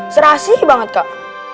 serasi banget kak